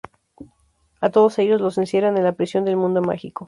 A todos ellos los encierran en la prisión de mundo Mágico.